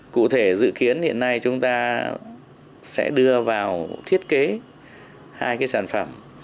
cụ thể dự kiến hiện nay chúng ta sẽ đưa vào thiết kế hai cái sản phẩm